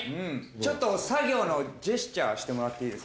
ちょっと作業のジェスチャーしてもらっていいですか？